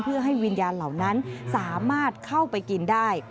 เพื่อให้วิญญาณเหล่านั้นสามารถเข้าไปกินได้